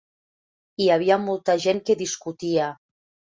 Hi havia molta gent que discutia.